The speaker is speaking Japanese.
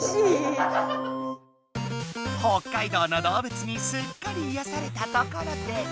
北海道のどうぶつにすっかりいやされたところで。